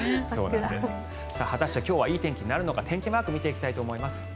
果たして今日はいい天気になるのか天気マーク見ていきたいと思います。